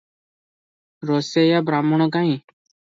ରୋଷେଇଆ ବାହ୍ମୁଣ କାହିଁ?